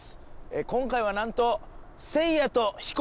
今回はなんと。